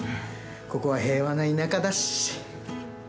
ここは平和な田舎だし。